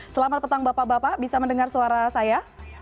selamat petang bapak bapak bisa mendengar suara saya